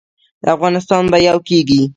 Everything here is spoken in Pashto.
افغانستان به یو کیږي